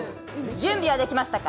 準備はできましたか。